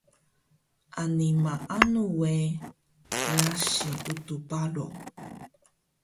Ani maanu we qrasi Utux Baro